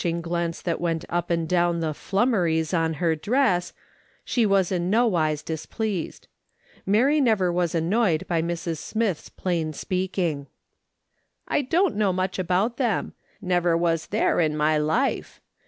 SOLOMON SMITH LOOk'IMG ON. glance that went up and down the " tlunimeiies" on her dress, she was in no wise displeased. !Mary never was annoyed by Mrs. Smith's plain speaking. " I don't know much about them ; never was there in my life.